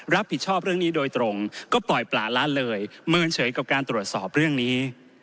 รับผิดชอบเรื่องนี้โดยตรงก็ปล่อยปลาละเลยเมินเฉยกับการตรวจสอบเรื่องนี้